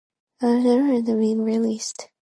The results of this election have not yet been released.